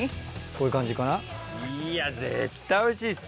こういう感じかな？